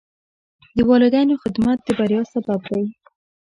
د والدینو خدمت د بریا سبب دی.